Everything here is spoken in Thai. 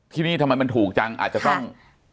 ที่นี่ทำไมมันถูกจังอาจจะต้อง